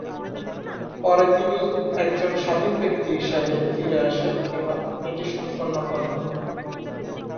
পরে তিনি একজন স্বাধীন ব্যক্তি হিসেবে ফিরে আসেন এবং এটি সম্পন্ন করেন।